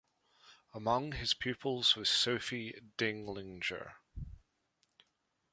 Among his pupils was Sophie Dinglinger.